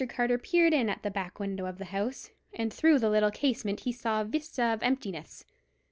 Carter peered in at the back windows of the house, and through the little casement he saw a vista of emptiness.